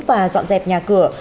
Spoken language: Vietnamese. và dọn dẹp nhà cửa